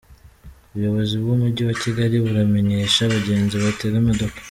Ubuyobozi bw’Umujyi wa Kigali buramenyesha abagenzi batega imodoka.